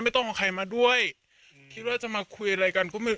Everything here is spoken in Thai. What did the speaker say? ต้องเอาใครมาด้วยคิดว่าจะมาคุยอะไรกันก็ไม่